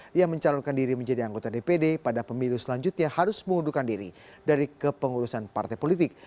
yang mencalonkan diri menjadi anggota dpd pada pemilu selanjutnya harus mengundurkan diri dari kepengurusan partai politik